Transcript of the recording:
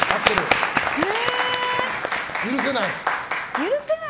許せない。